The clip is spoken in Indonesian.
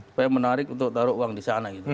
supaya menarik untuk taruh uang di sana gitu